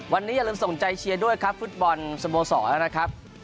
วันนี้อย่าลืมส่งใจเชียร์ด้วยครับฟุตบอลสโมสรนะครับ